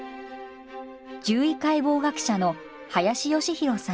獣医解剖学者の林良博さん。